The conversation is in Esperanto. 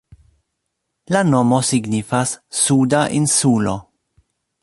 La nomo signifas "Suda insulo".